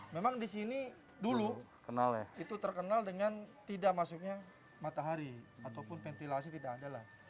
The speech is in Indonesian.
memang di sini dulu itu terkenal dengan tidak masuknya matahari ataupun ventilasi tidak ada lah